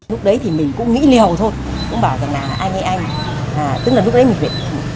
lúc đấy thì mình cũng nghĩ liều thôi cũng bảo rằng là anh ấy anh tức là lúc đấy mình viện